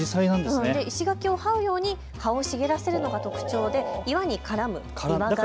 石垣をはうように葉を茂らせるのが特徴で岩に絡む。